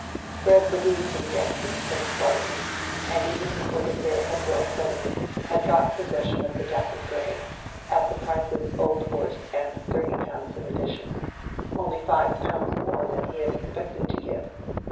Fred believed in the excellence of his bargain, and even before the fair had well set in, had got possession of the dappled gray, at the price of his old horse and thirty pounds in addition—only five pounds more than he had expected to give.